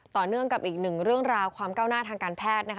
ต่อเนื่องกับอีกหนึ่งเรื่องราวความก้าวหน้าทางการแพทย์นะคะ